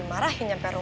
mari kita masuk